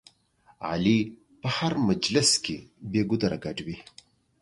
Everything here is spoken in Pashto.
علي په هر مجلس کې بې ګودره ګډ وي.